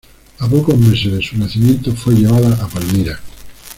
A pocos meses de su nacimiento fue llevada a Palmira.